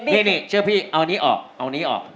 นี่เชื่อพี่เอาอันนี้ออกเอานี้ออก